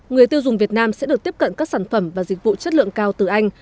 người tiêu dùng việt nam sẽ được tiếp cận các sản phẩm và dịch vụ chất lượng cao từ anh